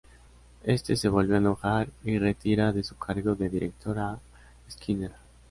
Este se volvió a enojar y retira de su cargo de director a Skinner.